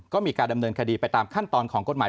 ก็มีการดำเนินคดีไปตามขั้นตอนของกฎหมาย